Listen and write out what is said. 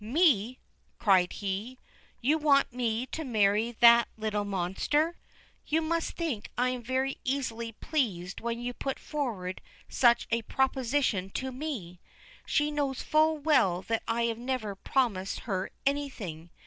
'Me!' cried he; 'you want me to marry that little monster? You must think I am very easily pleased when you put forward such a proposition to me. She knows full well that I have never promised her anything.